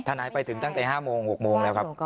นายไปถึงตั้งแต่๕โมง๖โมงแล้วครับ